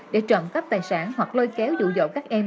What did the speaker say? để trộm cấp tài sản hoặc lôi kéo dụ dộ các em